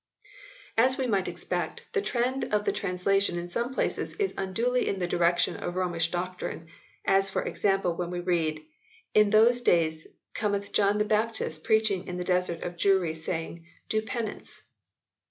As we might expect, the trend of the translation in some places is unduly in the direction of Romish doctrine, as, for example, when we read :" In those dayes cometh John the Baptist preaching in the desert of Jewrie, saying, Doe penance."